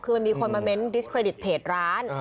คือมันมีคนมาเน้นดิสเครดิตเพจร้าน